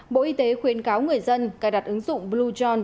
bộ y tế khuyến cáo người dân cài đặt ứng dụng blue john